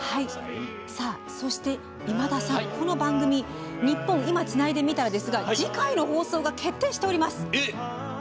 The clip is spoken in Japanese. そして、今田さん、この番組「ニッポン『今』つないでみたら」ですが次回の放送が決定しています。